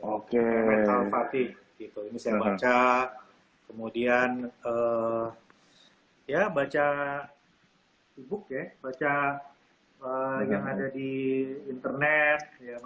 oke mental fatih gitu ini saya baca kemudian ya baca e book ya baca yang ada di internet